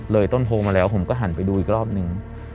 ต้นโพมาแล้วผมก็หันไปดูอีกรอบนึง